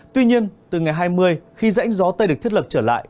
tuy nhiên từ ngày hai mươi khi rãnh gió tây được thiết lập trở lại